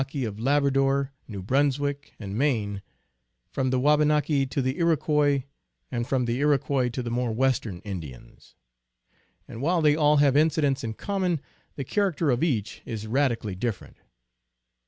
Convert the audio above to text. Eskimo to the Wabanaki, of Labrador, New Bruns wick, and Maine, from the Wabanaki to the Iroquois, and from the Iroquois to the more western Indians. And while they all have incidents in common, the character of each is radically different.